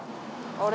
あれ？